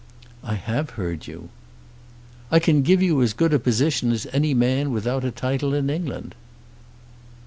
"I have heard you." "I can give you as good a position as any man without a title in England."